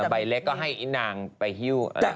ใบเล็กก็ให้อีนางไปฮิ้ว